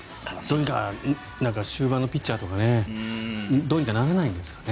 終盤のピッチャーとかどうにかならないんですかね。